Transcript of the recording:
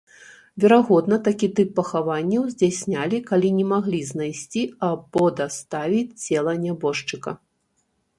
Верагодна, такі тып пахаванняў здзяйснялі калі не маглі знайсці або даставіць цела нябожчыка.